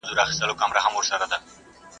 يوه ورځ څه موږكان په لاپو سر وه.